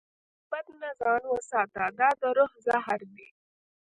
له غیبت نه ځان وساته، دا د روح زهر دی.